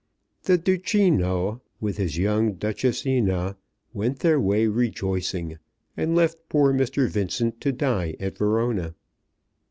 The Duchino with his young Duchessina went their way rejoicing, and left poor Mr. Vincent to die at Verona.